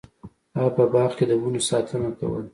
هغه په باغ کې د ونو ساتنه کوله.